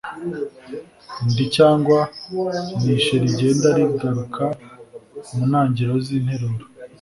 ndi cyangwa nishe rigenda rigaruka mu ntangiriro z'interuro